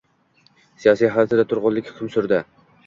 siyosiy hayotida turg‘unlik hukm surdi